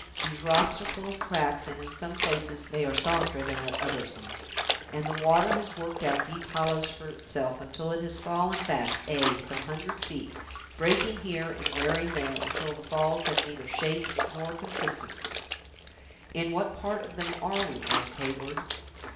These rocks are full of cracks, and in some places they are softer than at othersome, and the water has worked out deep hollows for itself, until it has fallen back, ay, some hundred feet, breaking here and wearing there, until the falls have neither shape nor consistency." "In what part of them are we?" asked Heyward.